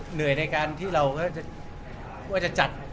เหนื่อยในการที่เราก็จะจัด